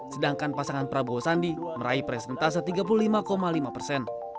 sedangkan pasangan prabowo sandi meraih presentase tiga puluh lima lima persen